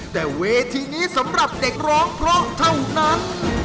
แต่เวทีนี้สำหรับเด็กร้องเพราะเท่านั้น